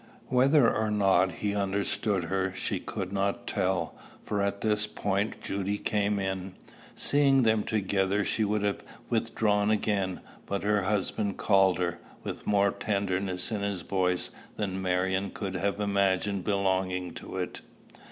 Whether or not he understood her she could not tell, for at this point Judy came in. Seeing them together she would have withdrawn again; but her husband called her, with more tenderness in his voice than Marion could have imagined belonging to it.